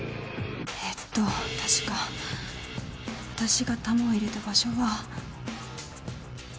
えーっと確かわたしが弾を入れた場所は